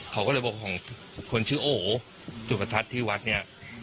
เขาก็เลยบอกของคนชื่อโอจุดประทัดที่วัดเนี่ย